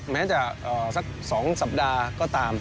แม้จะสัก๒สัปดาห์ก็ตาม